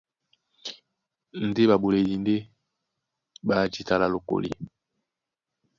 Ndé ɓaɓoledi ndé ɓá e jǐta lá lokólí.